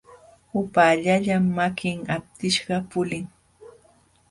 Upaallallam makin aptishqa pulin.